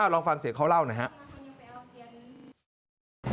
ลองฟังเสียงเขาเล่าหน่อยครับ